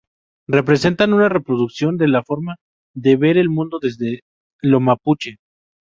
Representan una reproducción de la forma de ver el mundo desde lo mapuche.